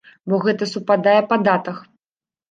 Бо гэта супадае па датах.